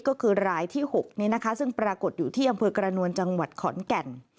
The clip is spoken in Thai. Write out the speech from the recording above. ก็คือรายที่๖นี้นะคะซึ่งปรากฏอยู่ที่อำเภอกระนวลจังหวัดขอนแก่น